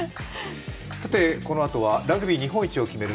このあとはラグビー日本一を決める